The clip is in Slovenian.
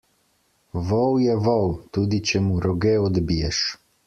Vol je vol, tudi če mu roge odbiješ.